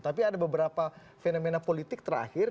tapi ada beberapa fenomena politik terakhir